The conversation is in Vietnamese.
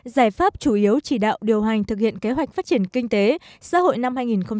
giải pháp chủ yếu chỉ đạo điều hành thực hiện kế hoạch phát triển kinh tế xã hội năm hai nghìn hai mươi